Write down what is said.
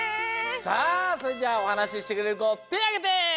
さあそれじゃあおはなししてくれるこてあげて！